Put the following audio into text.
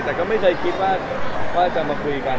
แต่ก็ไม่เคยคิดว่าจะมาคุยกัน